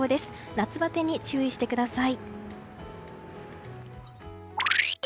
夏バテに注意してください。